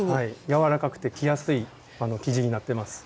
柔らかくて着やすい生地になってます。